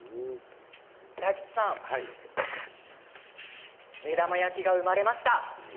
大吉さん、目玉焼きが生まれました。